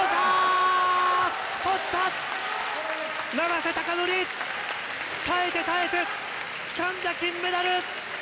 永瀬貴規、耐えて耐えて、つかんだ金メダル！